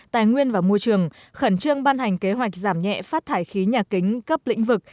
tài nguyên và môi trường khẩn trương ban hành kế hoạch giảm nhẹ phát thải khí nhà kính cấp lĩnh vực